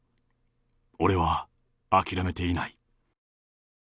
俺は諦めていない。